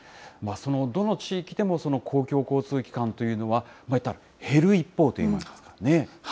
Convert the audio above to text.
どの地域でも、公共交通機関というのは減る一方というか。